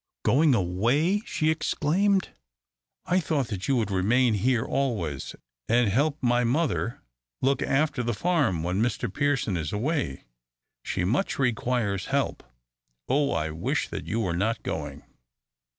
"Going away!" she exclaimed; "I thought that you would remain here always and help my mother look after the farm when Mr Pearson is away. She much requires help. Oh, I wish that you were not going!"